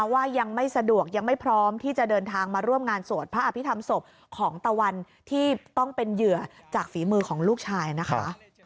ว่ายังไม่สะดวกยังไม่พร้อมที่จะเดินทางมาร่วมงานสวดพระอภิษฐรรมศพของตะวันที่ต้องเป็นเหยื่อจากฝีมือของลูกชายนะคะ